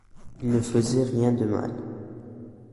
Il ne faisait rien de mal.